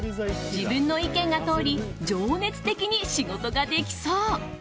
自分の意見が通り情熱的に仕事ができそう。